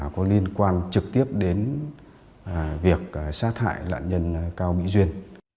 có liên quan trực tiếp đến việc sát hại nạn nhân cao mỹ duyên